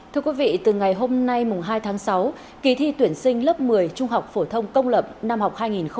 thưa quý vị từ ngày hôm nay mùng hai tháng sáu kỳ thi tuyển sinh lớp một mươi trung học phổ thông công lập năm học hai nghìn hai mươi hai nghìn hai mươi